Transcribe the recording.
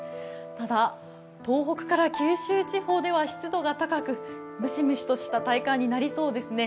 ただ、東北から九州地方では湿度が高くむしむしとした体感になりそうですね。